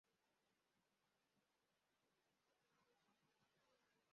Hali ya reli iliendelea kushuka polepole kutokana na utawala mbaya.